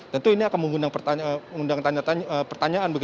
tentu ini akan mengundang pertanyaan